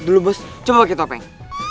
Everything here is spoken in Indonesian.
dulu bos coba pakai topeng